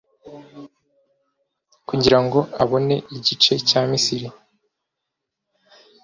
kugirango abone igice cya misiri